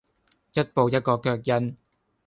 一步一個腳印